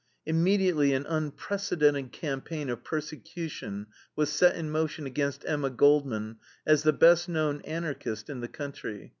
Immediately an unprecedented campaign of persecution was set in motion against Emma Goldman as the best known Anarchist in the country.